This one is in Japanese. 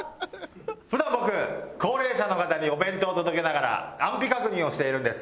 普段僕高齢者の方にお弁当を届けながら安否確認をしているんです。